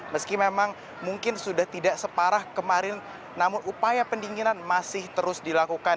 meski memang mungkin sudah tidak separah kemarin namun upaya pendinginan masih terus dilakukan